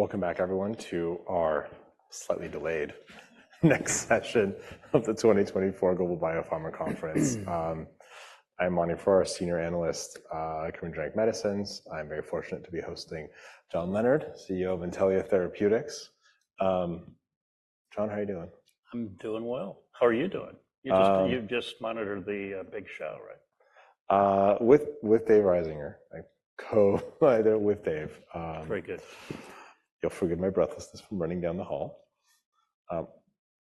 Welcome back, everyone, to our slightly delayed next session of the 2024 Global Biopharma Conference. I'm Monte forrest, Senior Analyst, Genetic Medicine. I'm very fortunate to be hosting John Leonard, CEO of Intellia Therapeutics. John, how are you doing? I'm doing well. How are you doing? You just monitored the big show, right? With Dave Risinger. I co-cover with Dave. Very good. You'll forgive my breathlessness from running down the hall.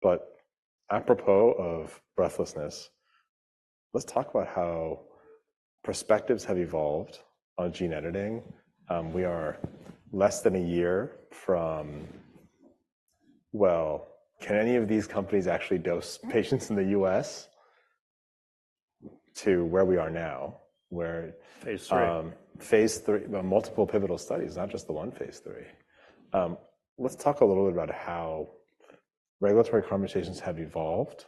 But apropos of breathlessness, let's talk about how perspectives have evolved on gene editing. We are less than a year from—well, can any of these companies actually dose patients in the U.S. to where we are now, where. Phase III. Phase III, multiple pivotal studies, not just the one phase III. Let's talk a little bit about how regulatory conversations have evolved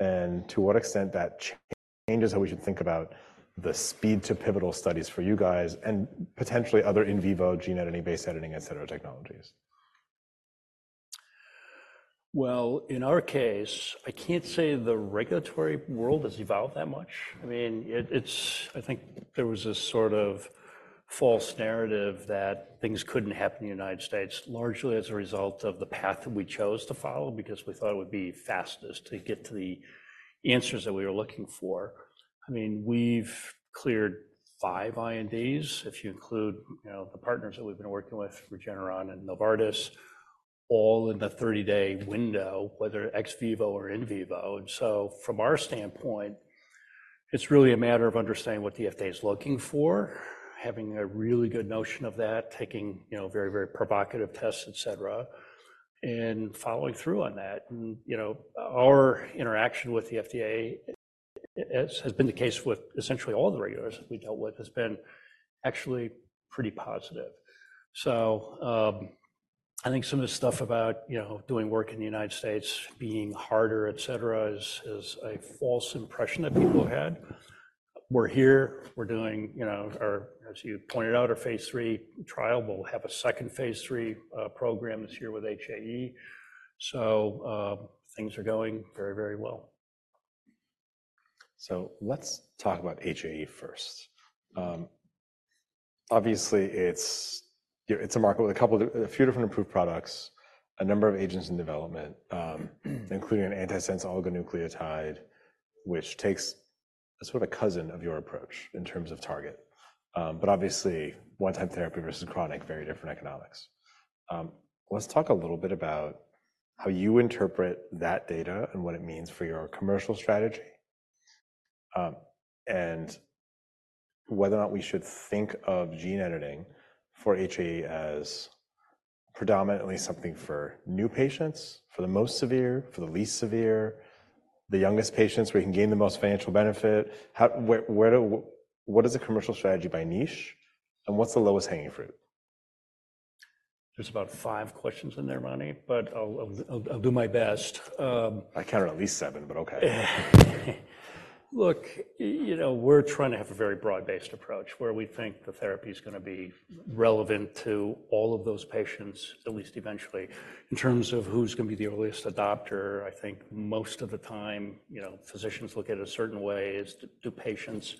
and to what extent that changes how we should think about the speed-to-pivotal studies for you guys and potentially other in vivo gene editing, base editing, etc., technologies. Well, in our case, I can't say the regulatory world has evolved that much. I mean, it's. I think there was a sort of false narrative that things couldn't happen in the United States, largely as a result of the path that we chose to follow because we thought it would be fastest to get to the answers that we were looking for. I mean, we've cleared five INDs, if you include, you know, the partners that we've been working with, Regeneron and Novartis, all in the 30-day window, whether ex vivo or in vivo. And so from our standpoint, it's really a matter of understanding what the FDA is looking for, having a really good notion of that, taking, you know, very, very provocative tests, etc., and following through on that. You know, our interaction with the FDA, as has been the case with essentially all the regulators that we dealt with, has been actually pretty positive. So, I think some of the stuff about, you know, doing work in the United States, being harder, etc., is a false impression that people have had. We're here. We're doing, you know, our, as you pointed out, our phase III trial. We'll have a second phase III program this year with HAE. So, things are going very, very well. Let's talk about HAE first. Obviously, it's—you know, it's a market with a couple of a few different approved products, a number of agents in development, including an antisense oligonucleotide, which takes a sort of a cousin of your approach in terms of target. But obviously, one-time therapy versus chronic, very different economics. Let's talk a little bit about how you interpret that data and what it means for your commercial strategy. Whether or not we should think of gene editing for HAE as predominantly something for new patients, for the most severe, for the least severe, the youngest patients, where you can gain the most financial benefit. How—where do—what is a commercial strategy by niche, and what's the lowest hanging fruit? There's about five questions in there, Monte, but I'll do my best. I counted at least seven, but okay. Look, you know, we're trying to have a very broad-based approach where we think the therapy is going to be relevant to all of those patients, at least eventually, in terms of who's going to be the earliest adopter. I think most of the time, you know, physicians look at it a certain way as to patients,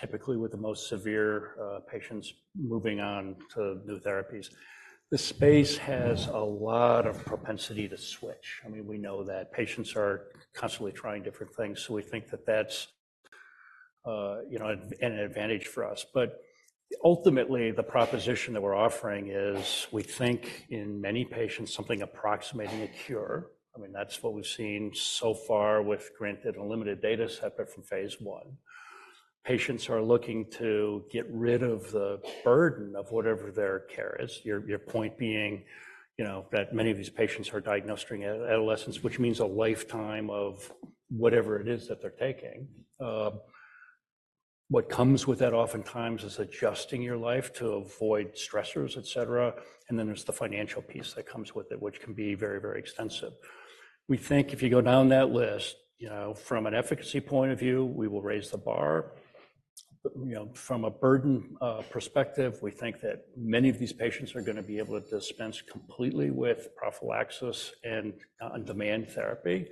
typically with the most severe, patients moving on to new therapies. The space has a lot of propensity to switch. I mean, we know that patients are constantly trying different things, so we think that that's, you know, an advantage for us. But ultimately, the proposition that we're offering is we think in many patients, something approximating a cure. I mean, that's what we've seen so far with, granted, unlimited data, separate from phase I. Patients are looking to get rid of the burden of whatever their care is. Your point being, you know, that many of these patients are diagnosed during adolescence, which means a lifetime of whatever it is that they're taking. What comes with that oftentimes is adjusting your life to avoid stressors, etc. Then there's the financial piece that comes with it, which can be very, very extensive. We think if you go down that list, you know, from an efficacy point of view, we will raise the bar. But, you know, from a burden perspective, we think that many of these patients are going to be able to dispense completely with prophylaxis and on-demand therapy.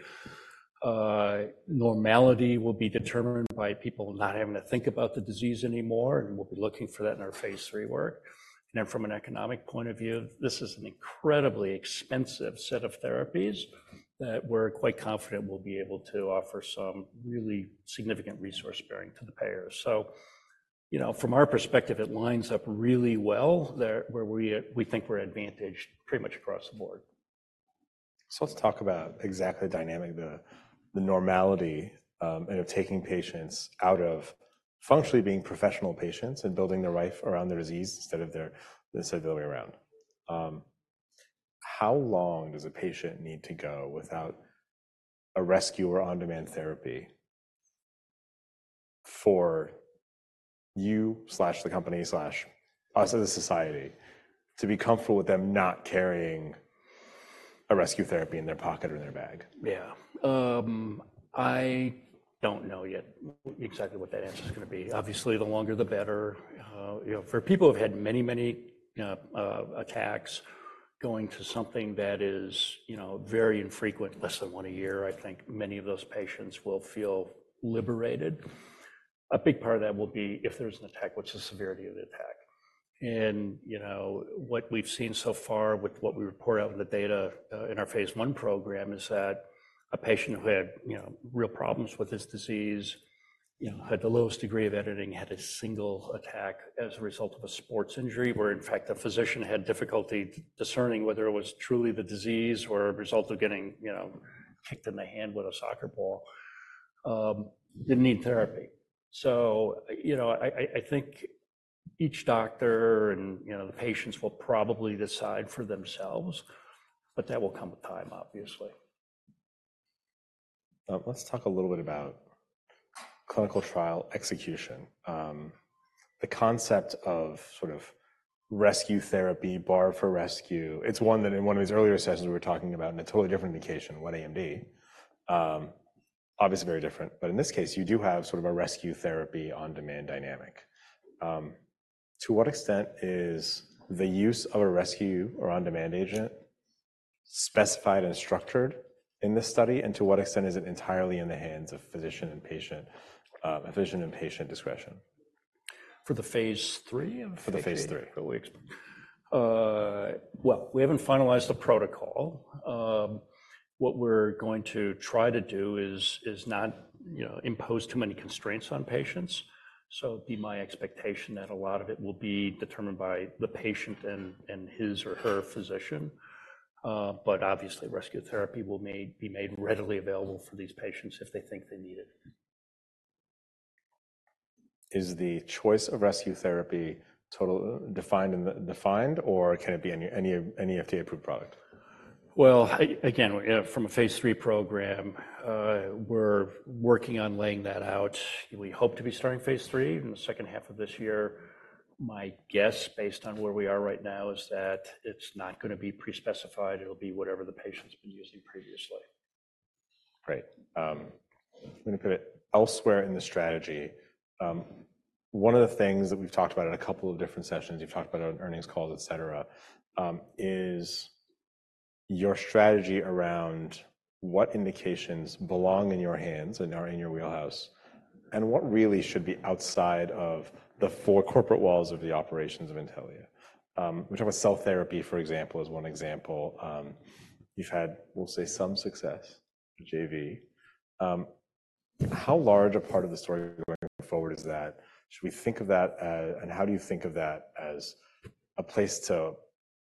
Normality will be determined by people not having to think about the disease anymore, and we'll be looking for that in our phase III work. Then from an economic point of view, this is an incredibly expensive set of therapies that we're quite confident we'll be able to offer some really significant resource-sparing to the payers. So, you know, from our perspective, it lines up really well there, where we think we're advantaged pretty much across the board. Let's talk about exactly the dynamic, the normality, and of taking patients out of functionally being professional patients and building their life around the disease instead of the other way around. How long does a patient need to go without a rescue or on-demand therapy for you/the company/us as a society to be comfortable with them not carrying a rescue therapy in their pocket or in their bag? Yeah. I don't know yet exactly what that answer is going to be. Obviously, the longer, the better. You know, for people who have had many, many, attacks going to something that is, you know, very infrequent, less than once a year, I think many of those patients will feel liberated. A big part of that will be if there's an attack, what's the severity of the attack. You know, what we've seen so far with what we report out in the data, in our phase I program is that a patient who had, you know, real problems with this disease, you know, had the lowest degree of editing, had a single attack as a result of a sports injury, where, in fact, a physician had difficulty discerning whether it was truly the disease or a result of getting, you know, kicked in the hand with a soccer ball, didn't need therapy. So, you know, I think each doctor and, you know, the patients will probably decide for themselves, but that will come with time, obviously. Let's talk a little bit about clinical trial execution. The concept of sort of rescue therapy, bar for rescue, it's one that in one of these earlier sessions we were talking about in a totally different indication, wet AMD. Obviously, very different. But in this case, you do have sort of a rescue therapy on-demand dynamic. To what extent is the use of a rescue or on-demand agent specified and structured in this study, and to what extent is it entirely in the hands of physician and patient, a physician and patient discretion? For the phase III of the study? For the phase III. That we expect. Well, we haven't finalized the protocol. What we're going to try to do is not, you know, impose too many constraints on patients. It'd be my expectation that a lot of it will be determined by the patient and his or her physician. But obviously, rescue therapy will be made readily available for these patients if they think they need it. Is the choice of rescue therapy totally defined in the design, or can it be any FDA-approved product? Well, again, from a phase III program, we're working on laying that out. We hope to be starting phase III in the second half of this year. My guess, based on where we are right now, is that it's not going to be pre-specified. It'll be whatever the patient's been using previously. Great. I'm going to pivot elsewhere in the strategy. One of the things that we've talked about in a couple of different sessions, you've talked about earnings calls, etc., is your strategy around what indications belong in your hands and are in your wheelhouse, and what really should be outside of the four corporate walls of the operations of Intellia. We talk about cell therapy, for example, as one example. You've had, we'll say, some success for JV. How large a part of the story going forward is that? Should we think of that as, and how do you think of that as a place to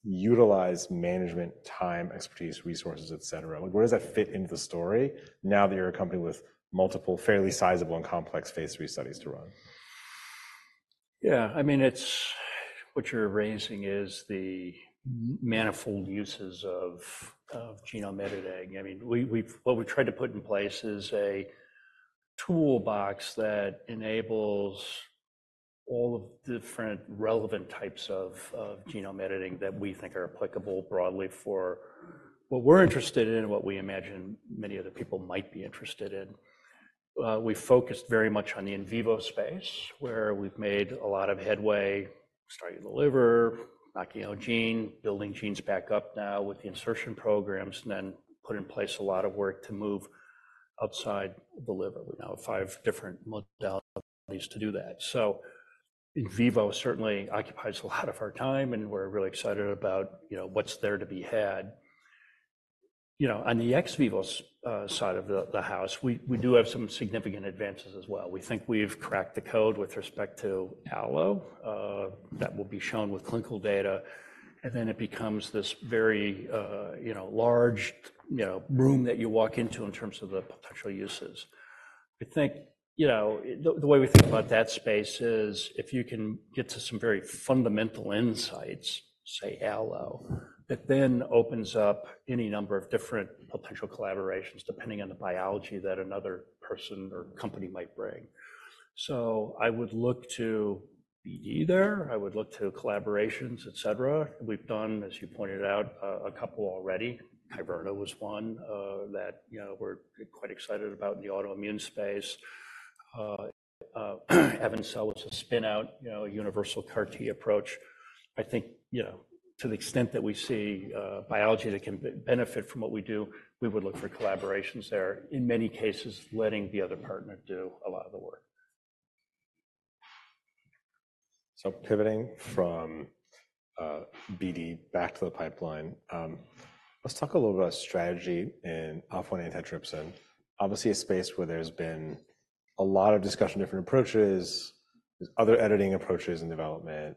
utilize management, time, expertise, resources, etc.? Like, where does that fit into the story now that you're accompanied with multiple, fairly sizable and complex phase III studies to run? Yeah. I mean, it's what you're raising is the manifold uses of, of genome editing. I mean, we've—what we tried to put in place is a toolbox that enables all of the different relevant types of, of genome editing that we think are applicable broadly for what we're interested in and what we imagine many other people might be interested in. We focused very much on the in vivo space, where we've made a lot of headway, starting the liver, knocking out gene, building genes back up now with the insertion programs, and then put in place a lot of work to move outside the liver. We now have five different modalities to do that. So in vivo, certainly, occupies a lot of our time, and we're really excited about, you know, what's there to be had. On the ex vivo side of the house, we do have some significant advances as well. We think we've cracked the code with respect to allo, that will be shown with clinical data. Then it becomes this very, you know, large, you know, room that you walk into in terms of the potential uses. I think, you know, the way we think about that space is if you can get to some very fundamental insights, say allo, that then opens up any number of different potential collaborations, depending on the biology that another person or company might bring. So I would look to BD there. I would look to collaborations, etc. We've done, as you pointed out, a couple already. Kyverna was one, that, you know, we're quite excited about in the autoimmune space. AvenCell was a spin-out, you know, universal CAR-T approach. I think, you know, to the extent that we see, biology that can benefit from what we do, we would look for collaborations there, in many cases, letting the other partner do a lot of the work. Pivoting from BD back to the pipeline, let's talk a little bit about strategy and alpha-1 antitrypsin. Obviously, a space where there's been a lot of discussion, different approaches. There's other editing approaches in development,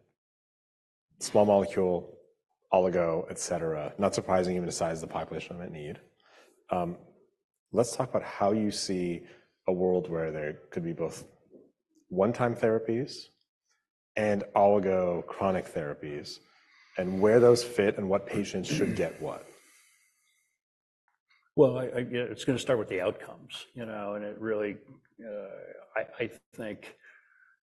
small molecule, oligo, etc., not surprisingly, even the size of the population it might need. Let's talk about how you see a world where there could be both one-time therapies and oligo chronic therapies, and where those fit and what patients should get what. Well, yeah, it's going to start with the outcomes, you know, and it really, I think,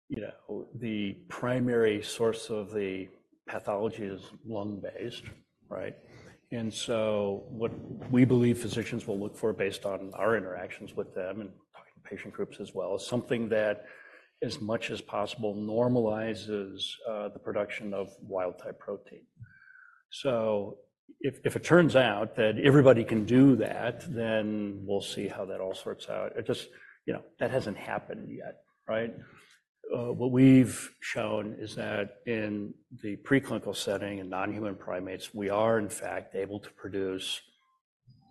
you know, the primary source of the pathology is lung-based, right? And so what we believe physicians will look for based on our interactions with them and talking to patient groups as well is something that, as much as possible, normalizes the production of wild-type protein. If it turns out that everybody can do that, then we'll see how that all sorts out. It just, you know, that hasn't happened yet, right? What we've shown is that in the preclinical setting and non-human primates, we are, in fact, able to produce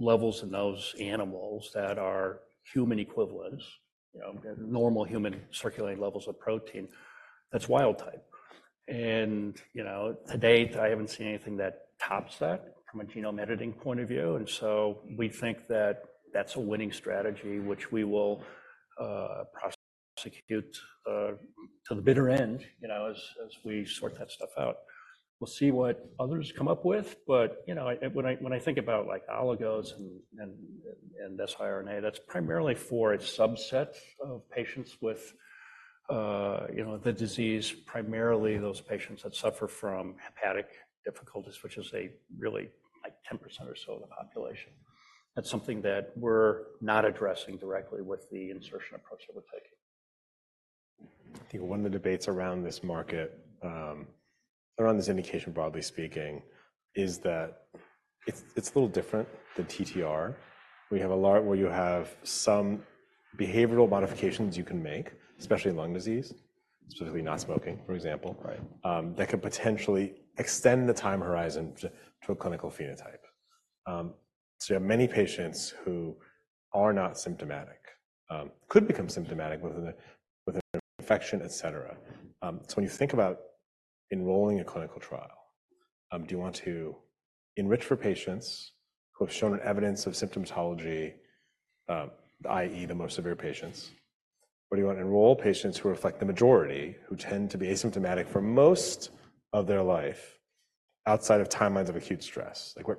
levels in those animals that are human equivalents, you know, normal human circulating levels of protein that's wild-type. And, you know, to date, I haven't seen anything that tops that from a genome editing point of view. We think that that's a winning strategy, which we will prosecute to the bitter end, you know, as we sort that stuff out. We'll see what others come up with. But you know, when I think about, like, oligos and siRNA, that's primarily for a subset of patients with, you know, the disease, primarily those patients that suffer from hepatic difficulties, which is a really, like, 10% or so of the population. That's something that we're not addressing directly with the insertion approach that we're taking. I think one of the debates around this market, around this indication, broadly speaking, is that it's, it's a little different than TTR. We have a lot where you have some behavioral modifications you can make, especially in lung disease, specifically not smoking, for example. Right. That could potentially extend the time horizon to a clinical phenotype. So you have many patients who are not symptomatic, could become symptomatic with an infection, etc. So when you think about enrolling a clinical trial, do you want to enrich for patients who have shown an evidence of symptomatology, i.e., the most severe patients? Or do you want to enroll patients who reflect the majority, who tend to be asymptomatic for most of their life outside of timelines of acute stress? Like,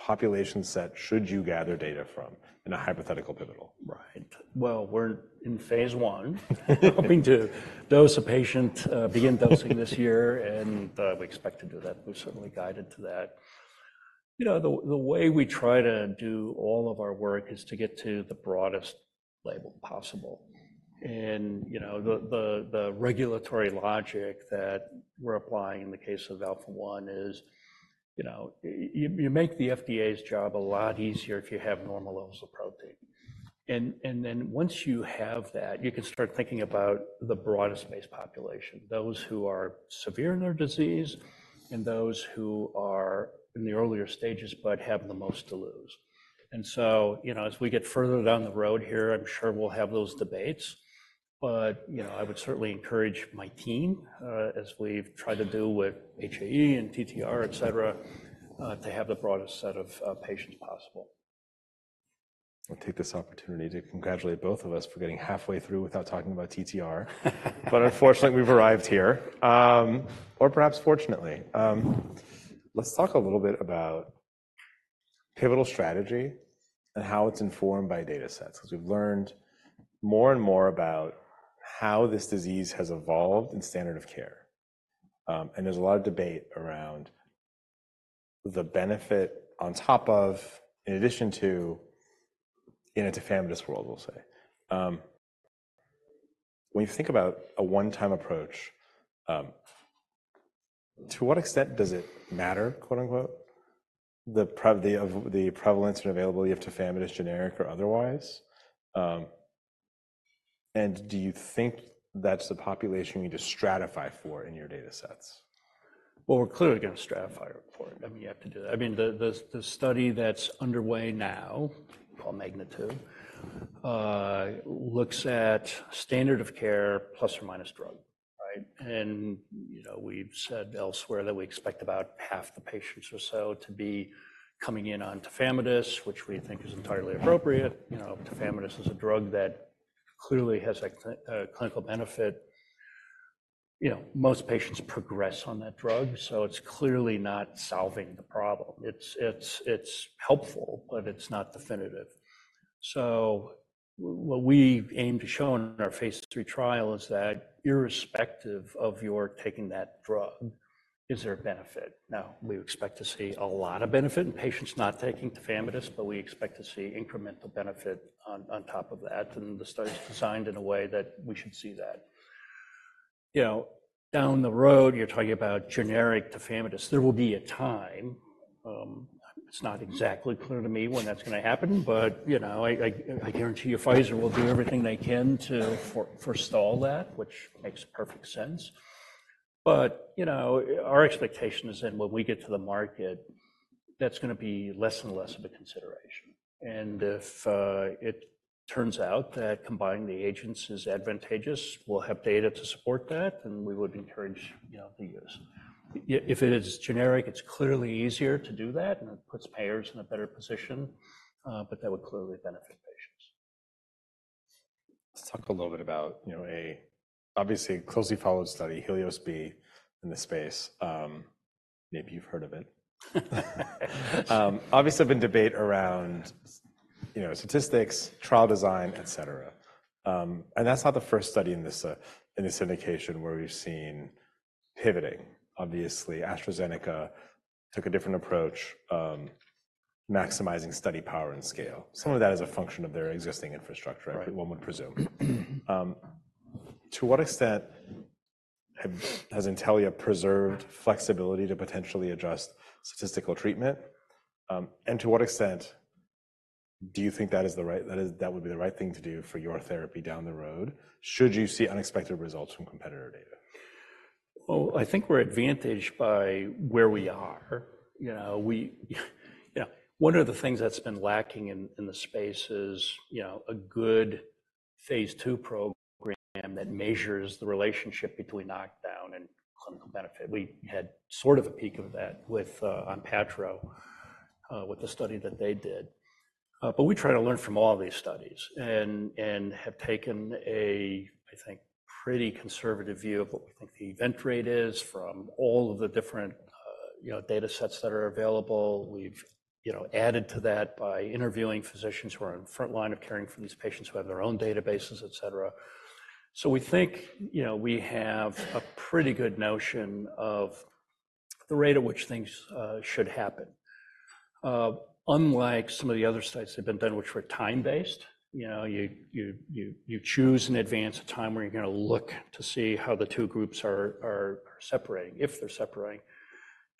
what population set should you gather data from in a hypothetical pivotal? Well, we're in phase I, hoping to dose a patient, begin dosing this year, and we expect to do that. We're certainly guided to that. You know, the way we try to do all of our work is to get to the broadest label possible. And, you know, the regulatory logic that we're applying in the case of Alpha-1 is, you know, you make the FDA's job a lot easier if you have normal levels of protein. Then once you have that, you can start thinking about the broadest-based population, those who are severe in their disease and those who are in the earlier stages but have the most to lose. And so, you know, as we get further down the road here, I'm sure we'll have those debates. I would certainly encourage my team, as we've tried to do with HAE and TTR, etc., to have the broadest set of patients possible. I'll take this opportunity to congratulate both of us for getting halfway through without talking about TTR. But unfortunately, we've arrived here, or perhaps fortunately. Let's talk a little bit about pivotal strategy and how it's informed by data sets, because we've learned more and more about how this disease has evolved in standard of care. And there's a lot of debate around the benefit on top of, in addition to, in a tafamidis world, we'll say. When you think about a one-time approach, to what extent does it matter, quote-unquote, the prevalence and availability of tafamidis generic or otherwise? And do you think that's the population you need to stratify for in your data sets? Well, we're clearly going to stratify it for it. I mean, you have to do that. I mean, the study that's underway now, called MAGNITUDE, looks at standard of care plus or minus drug, right? And, you know, we've said elsewhere that we expect about half the patients or so to be coming in on tafamidis, which we think is entirely appropriate. You know, tafamidis is a drug that clearly has a clinical benefit. You know, most patients progress on that drug, so it's clearly not solving the problem. It's helpful, but it's not definitive. So what we aim to show in our phase III trial is that, irrespective of your taking that drug, is there a benefit? Now, we expect to see a lot of benefit in patients not taking tafamidis, but we expect to see incremental benefit on top of that. The study's designed in a way that we should see that. You know, down the road, you're talking about generic tafamidis. There will be a time. It's not exactly clear to me when that's going to happen, but, you know, I guarantee you Pfizer will do everything they can to forestall that, which makes perfect sense. But, you know, our expectation is that when we get to the market, that's going to be less and less of a consideration. If it turns out that combining the agents is advantageous, we'll have data to support that, and we would encourage, you know, the use. If it is generic, it's clearly easier to do that, and it puts payers in a better position. But that would clearly benefit patients. Let's talk a little bit about, you know, a obviously closely followed study, HELIOS-B, in the space. Maybe you've heard of it. Obviously, there's been debate around, you know, statistics, trial design, etc. And that's not the first study in this indication where we've seen pivoting. Obviously, AstraZeneca took a different approach, maximizing study power and scale. Some of that is a function of their existing infrastructure, I would presume. To what extent has Intellia preserved flexibility to potentially adjust statistical treatment? And to what extent do you think that is the right, that is, that would be the right thing to do for your therapy down the road, should you see unexpected results from competitor data? Well, I think we're advantaged by where we are. You know, one of the things that's been lacking in the space is, you know, a good phase II program that measures the relationship between knockdown and clinical benefit. We had sort of a peak of that with Onpattro, with the study that they did. But we try to learn from all of these studies and have taken a, I think, pretty conservative view of what we think the event rate is from all of the different, you know, data sets that are available. We've, you know, added to that by interviewing physicians who are in the front line of caring for these patients who have their own databases, etc. We think, you know, we have a pretty good notion of the rate at which things should happen. Unlike some of the other studies that have been done, which were time-based, you know, you choose in advance a time where you're going to look to see how the two groups are separating, if they're separating.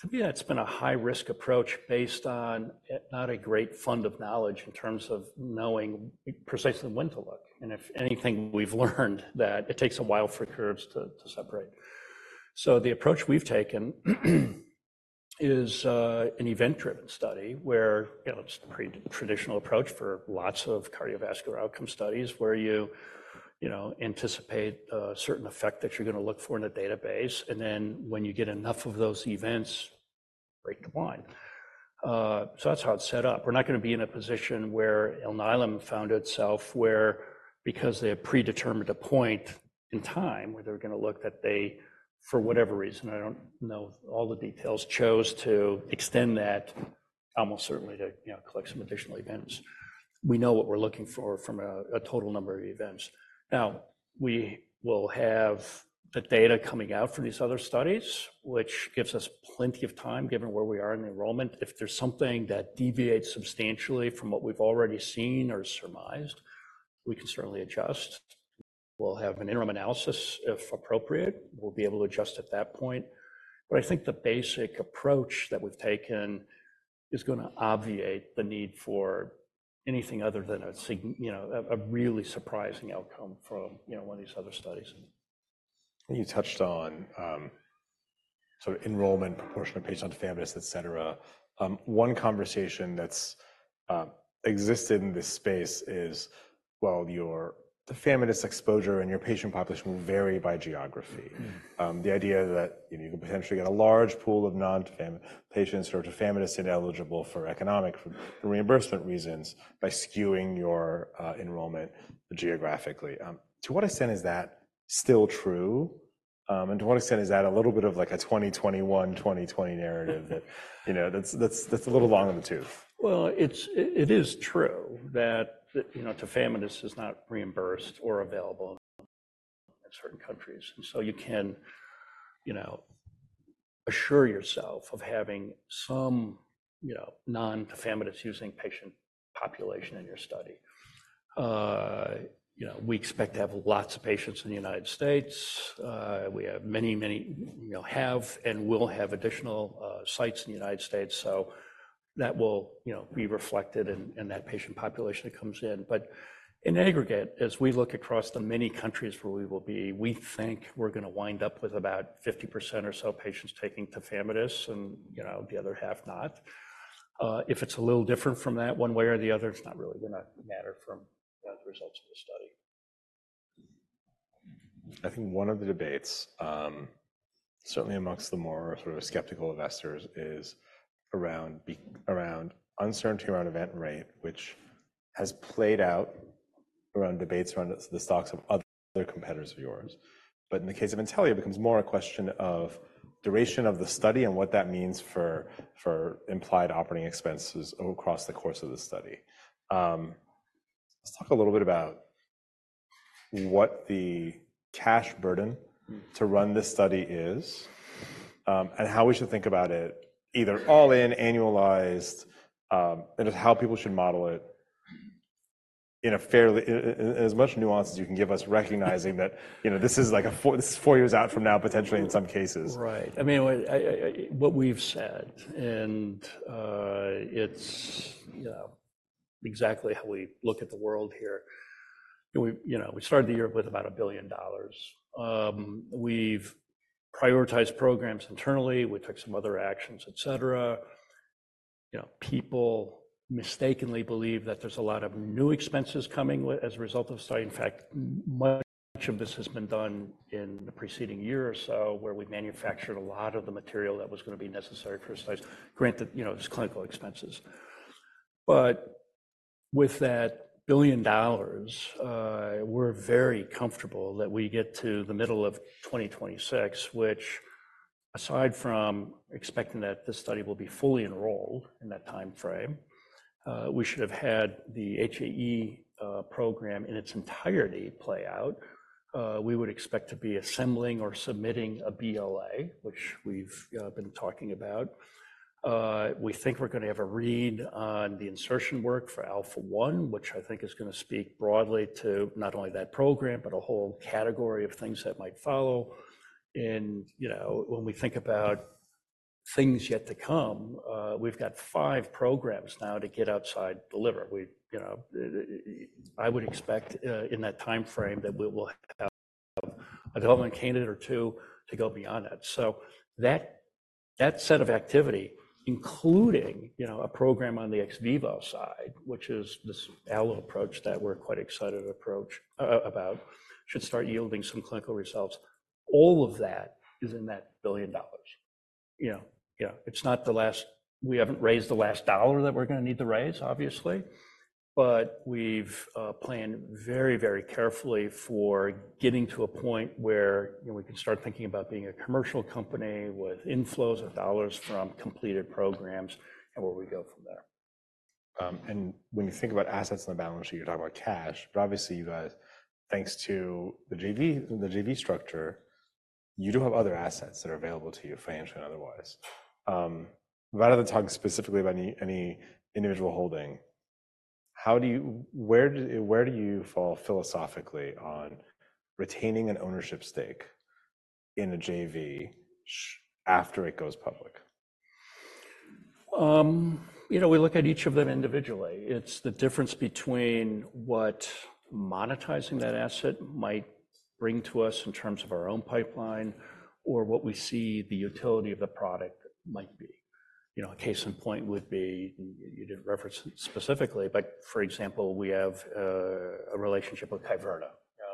To me, that's been a high-risk approach based on not a great fund of knowledge in terms of knowing precisely when to look. If anything, we've learned that it takes a while for curves to separate. So the approach we've taken is an event-driven study where, you know, it's the pretty traditional approach for lots of cardiovascular outcome studies where you, you know, anticipate certain effect that you're going to look for in a database. And then when you get enough of those events, break the line, so that's how it's set up. We're not going to be in a position where Alnylam found itself where, because they had predetermined a point in time where they were going to look that they, for whatever reason, I don't know all the details, chose to extend that almost certainly to, you know, collect some additional events. We know what we're looking for from a total number of events. Now, we will have the data coming out from these other studies, which gives us plenty of time, given where we are in the enrollment. If there's something that deviates substantially from what we've already seen or surmised, we can certainly adjust. We'll have an interim analysis if appropriate. We'll be able to adjust at that point. I think the basic approach that we've taken is going to obviate the need for anything other than a, you know, a really surprising outcome from, you know, one of these other studies. You touched on, sort of, enrollment, proportion of patients on tafamidis, etc. One conversation that's existed in this space is, well, your tafamidis exposure and your patient population will vary by geography. The idea that, you know, you could potentially get a large pool of non-tafamidis patients who are tafamidis ineligible for economic reimbursement reasons by skewing your enrollment geographically. To what extent is that still true? And to what extent is that a little bit of like a 2021, 2020 narrative that, you know, that's a little long in the tooth? Well, it is true that, you know, tafamidis is not reimbursed or available in certain countries. And so you can, you know, assure yourself of having some, you know, non-tafamidis using patient population in your study. You know, we expect to have lots of patients in the United States. We have many, many, you know, have and will have additional sites in the United States. So that will, you know, be reflected in that patient population that comes in. But in aggregate, as we look across the many countries where we will be, we think we're going to wind up with about 50% or so patients taking tafamidis and, you know, the other half not. If it's a little different from that one way or the other, it's not really going to matter from the results of the study. I think one of the debates, certainly among the more sort of skeptical investors, is around the uncertainty around event rate, which has played out around debates around the stocks of other competitors of yours. But in the case of Intellia, it becomes more a question of duration of the study and what that means for implied operating expenses across the course of the study. Let's talk a little bit about what the cash burden to run this study is, and how we should think about it either all in, annualized, and just how people should model it in a fairly in as much nuance as you can give us, recognizing that, you know, this is like a, is four years out from now, potentially, in some cases. Right. I mean, what we've said and, it's, you know, exactly how we look at the world here. You know, we started the year with about a billion dollars. We've prioritized programs internally. We took some other actions, etc. You know, people mistakenly believe that there's a lot of new expenses coming as a result of the study. In fact, much of this has been done in the preceding year or so where we manufactured a lot of the material that was going to be necessary for a study. Granted, you know, it's clinical expenses. But with that billion dollars, we're very comfortable that we get to the middle of 2026, which, aside from expecting that this study will be fully enrolled in that timeframe, we should have had the HAE program in its entirety play out. We would expect to be assembling or submitting a BLA, which we've been talking about. We think we're going to have a read on the insertion work for Alpha-1, which I think is going to speak broadly to not only that program, but a whole category of things that might follow. And, you know, when we think about things yet to come, we've got five programs now to get outside delivered. We, you know, I would expect, in that timeframe that we will have a development candidate or two to go beyond that. That set of activity, including, you know, a program on the ex vivo side, which is this allo approach that we're quite excited to approach about, should start yielding some clinical results. All of that is in that billion dollars. You know, yeah, it's not the last, we haven't raised the last dollar that we're going to need to raise, obviously. But we've planned very, very carefully for getting to a point where, you know, we can start thinking about being a commercial company with inflows of dollars from completed programs and where we go from there. When you think about assets on the balance sheet, you're talking about cash. But obviously, you guys, thanks to the JV, the JV structure, you do have other assets that are available to you financially and otherwise. Rather than talking specifically about any individual holding, how do you, where do you fall philosophically on retaining an ownership stake in a JV after it goes public? You know, we look at each of them individually. It's the difference between what monetizing that asset might bring to us in terms of our own pipeline or what we see the utility of the product might be. You know, a case in point would be—you didn't reference specifically—but, for example, we have a relationship with Kyverna.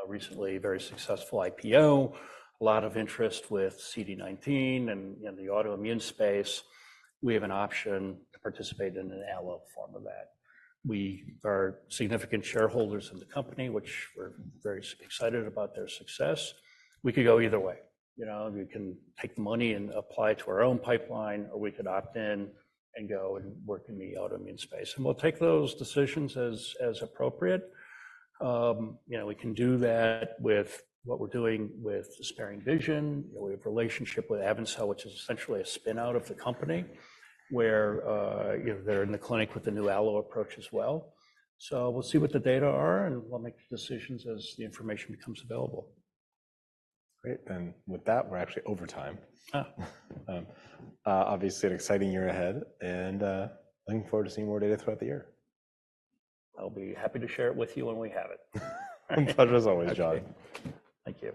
Recently, very successful IPO, a lot of interest with CD19 and, you know, the autoimmune space. We have an option to participate in an allo form of that. We are significant shareholders in the company, which we're very excited about their success. We could go either way. You know, we can take the money and apply to our own pipeline, or we could opt in and go and work in the autoimmune space. And we'll take those decisions as—as appropriate. You know, we can do that with what we're doing with SparingVision. You know, we have a relationship with AvenCell, which is essentially a spin-out of the company where, you know, they're in the clinic with the new allo approach as well. So we'll see what the data are, and we'll make decisions as the information becomes available. Great. And with that, we're actually over time. Obviously, an exciting year ahead, and looking forward to seeing more data throughout the year. I'll be happy to share it with you when we have it. Pleasure is always, John. Thank you.